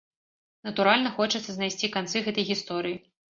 Натуральна, хочацца знайсці канцы гэтай гісторыі.